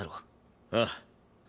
ああ。